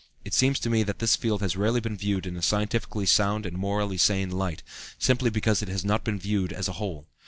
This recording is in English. It seems to me that this field has rarely been viewed in a scientifically sound and morally sane light, simply because it has not been viewed as a whole.